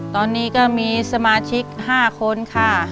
ตอนนี้ก็มีสมาชิก๕คนค่ะ